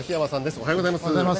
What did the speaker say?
おはようございます。